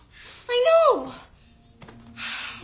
ああ。